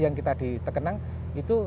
yang kita di tekenang itu